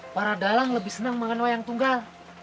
para dalang lebih senang makan wayang tunggal